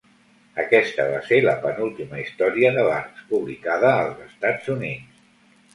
Aquesta va ser la penúltima història de Barks publicada als Estats Units.